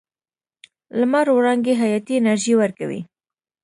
لمر وړانګې حیاتي انرژي ورکوي.